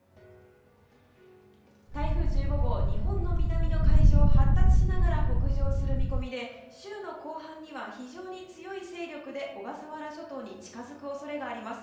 台風１５号、日本の南の海上を発達しながら北上する見込みで週の後半には非常に強い勢力で小笠原諸島に近づく恐れがあります。